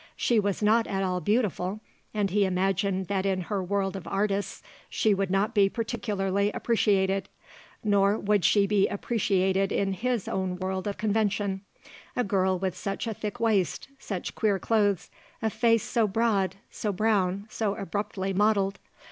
She was not at all beautiful and he imagined that in her world of artists she would not be particularly appreciated; nor would she be appreciated in his own world of convention a girl with such a thick waist, such queer clothes, a face so broad, so brown, so abruptly modelled.